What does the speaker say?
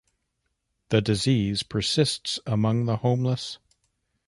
The disease persists among the homeless.